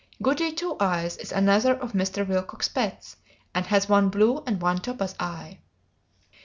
Goody Two eyes is another of Mrs. Wilcox's pets, and has one blue and one topaz eye.